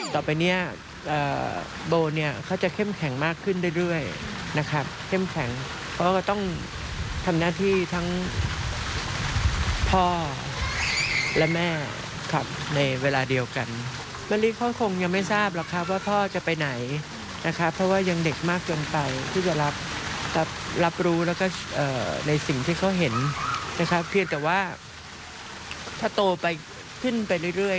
แล้วก็เอ่อในสิ่งที่เขาเห็นนะครับเพียงแต่ว่าถ้าโตไปขึ้นไปเรื่อยเรื่อย